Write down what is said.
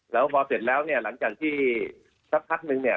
แล้วพอเสร็จแล้วเนี่ยหลังจากที่สักพักนึงเนี่ย